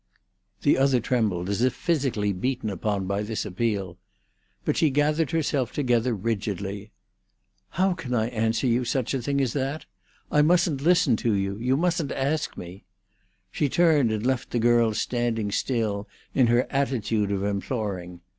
The other trembled, as if physically beaten upon by this appeal. But she gathered herself together rigidly. "How can I answer you such a thing as that? I mustn't listen to you; you mustn't ask me." She turned and left the girl standing still in her attitude of imploring.